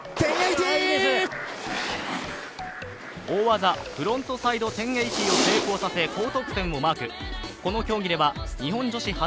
大技、フロントサイド１０８０を決め高得点をマーク、この競技では日本女子